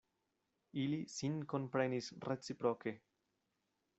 Ili sin komprenis reciproke.